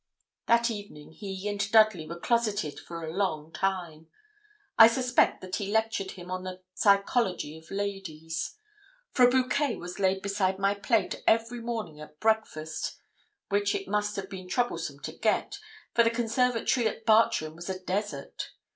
That evening he and Dudley were closeted for a long time. I suspect that he lectured him on the psychology of ladies; for a bouquet was laid beside my plate every morning at breakfast, which it must have been troublesome to get, for the conservatory at Bartram was a desert.